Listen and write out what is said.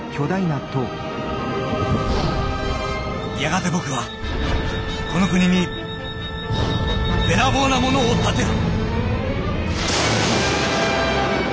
やがて僕はこの国にベラボーなものをたてる！